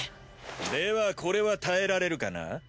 ではこれは耐えられるかな？